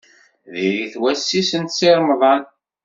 Diri-t wass-is n Si Remḍan.